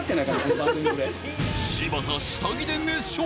柴田、下着で熱唱？